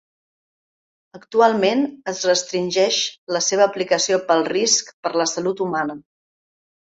Actualment es restringeix la seva aplicació pel risc per a la salut humana.